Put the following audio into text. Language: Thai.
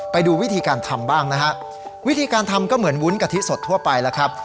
ไปดูวิธีการทำบ้างนะฮะวิธีการทำก็เหมือนวุ้นกะทิสดทั่วไปแล้วครับ